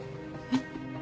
えっ？